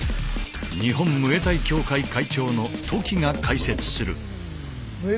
日本ムエタイ協会会長の鴇が解説する。